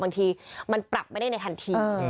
บางทีมันปรับไม่ได้ในทันที